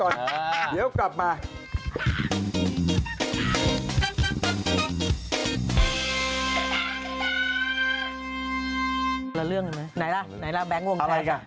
นรรเรื่องนี้ไหมไหนละแบงค์วงแคล็ช